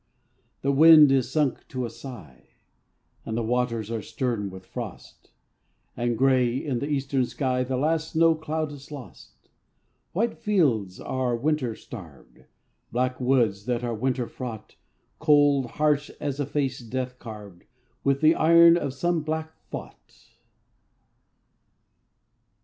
The wind is sunk to a sigh, And the waters are stern with frost; And gray, in the eastern sky, The last snow cloud is lost. White fields, that are winter starved, Black woods, that are winter fraught, Cold, harsh as a face death carved With the iron of some black thought.